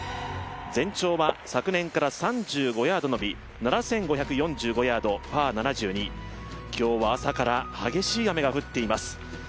全長は昨年から３５ヤードのび７５４５ヤード、パー７２、今日は朝から激しい雨が降っています。